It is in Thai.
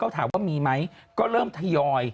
ถามว่ามีไหมก็เริ่มทยอย